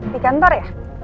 di kantor ya